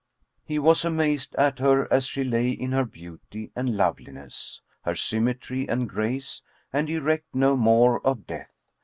He was amazed at her as she lay in her beauty and loveliness, her symmetry and grace, and he recked no more of death.